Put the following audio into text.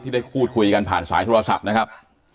ได้พูดคุยกันผ่านสายโทรศัพท์นะครับ